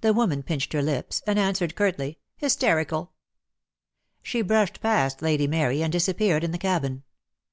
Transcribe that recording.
The woman pinched her lips, and answered curtly: "Hysterical." She brushed past Lady Mary, and disappeared in the cabin.